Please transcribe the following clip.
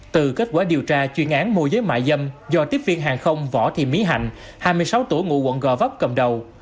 từ kết quả điều tra chuyên án mô giới mại dâm do tiếp viên hàng không võ thị mỹ hạnh hai mươi sáu tuổi ngụ quận gò vấp cầm đầu